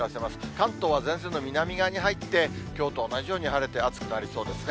関東は前線の南側に入って、きょうと同じように晴れて暑くなりそうですね。